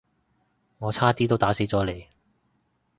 我差啲都打死咗你